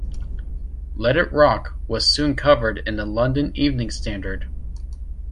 "Let It Rock" was soon covered in the "London Evening Standard".